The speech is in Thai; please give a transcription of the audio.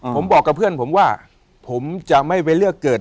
ผมบอกกับเพื่อนผมว่าผมจะไม่ไปเลือกเกิด